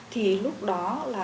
thì lúc đó là